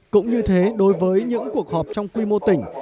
cũng như thế đối với những cuộc họp trong quy mô tỉnh